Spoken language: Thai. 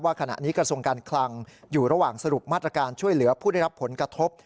ขณะนี้กระทรวงการคลังอยู่ระหว่างสรุปมาตรการช่วยเหลือผู้ได้รับผลกระทบ